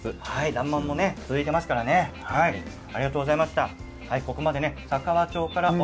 「らんまん」も続いていますからねありがとうございました。